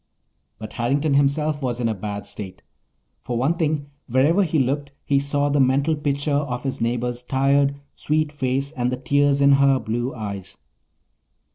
But Harrington himself was in a bad state. For one thing, wherever he looked he saw the mental picture of his neighbour's tired, sweet face and the tears in her blue eyes.